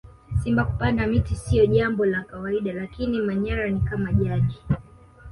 simba kupanda miti siyo Jambo la kawaida lakini manyara ni kama jadi